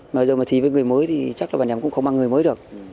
mà bây giờ mà thi với người mới thì chắc là bạn em cũng không mang người mới được